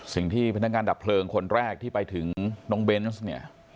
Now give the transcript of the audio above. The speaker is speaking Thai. สิ่งที่พนักงานดับเพลิงคนแรกที่ไปถึงน้องเบนส์เนี่ย